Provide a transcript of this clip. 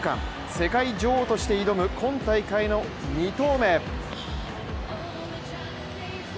世界女王として挑む今大会の２投目。